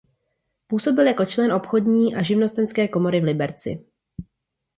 Působil jako člen obchodní a živnostenské komory v Liberci.